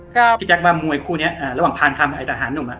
พี่แจ๊คว่ามวยคู่นี้อ่าระหว่างพานคำไอ้ทหารหนุ่มอ่ะ